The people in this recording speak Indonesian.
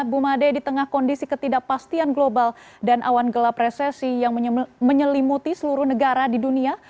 bumade di tengah kondisi ketidakpastian global dan awan gelap resesi yang menyelimuti seluruh negara di dunia